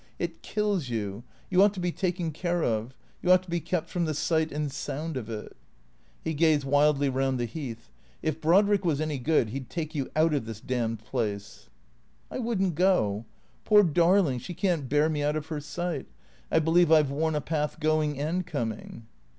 It kills you. You ought to be taken care of. You ought to be kept from the sight and sound of it." He gazed wildly round the Heath. " If Brodrick was any good he 'd take you out of this damned place." " I would n't go. Poor darling, she can't bear me out of her sight. I believe I 've worn a path going and coming."